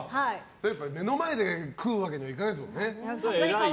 目の前で食うわけにもいかないですもんね。